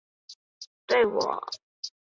对我来说都是最珍贵的意见